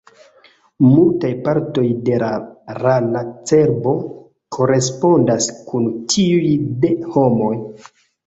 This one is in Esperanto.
Multaj partoj de la rana cerbo korespondas kun tiuj de homoj.